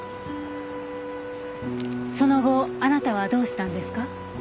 その後あなたはどうしたんですか？